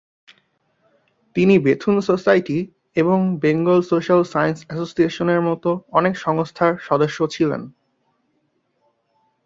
তিনি Bethune society এবং Bengal social science অ্যাসোসিয়েশনের মতো অনেক সংস্থার সদস্য ছিলেন।